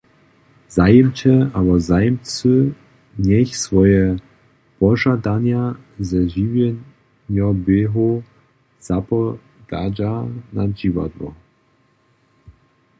Zajimče abo zajimcy njech swoje požadanje ze žiwjenjoběhom zapodadźa na dźiwadło.